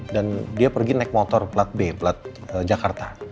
dan dia pergi naik motor plat b plat jakarta